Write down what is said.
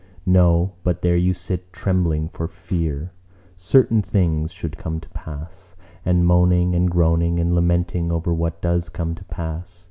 —No; but there you sit, trembling for fear certain things should come to pass, and moaning and groaning and lamenting over what does come to pass.